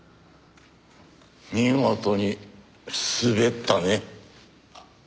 見事にスベったね。